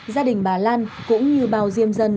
gia đình bà lan cũng như bà diêm dân